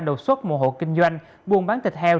đầu suất một hộ kinh doanh buôn bán thịt heo